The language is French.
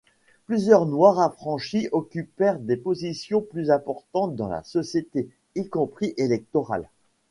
Plusieurs Noirs affranchis occupèrent des positions plus importantes dans la société, y compris électorales.